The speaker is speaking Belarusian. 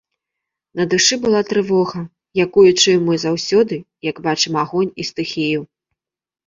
На душы была трывога, якую чуем мы заўсёды, як бачым агонь і стыхію.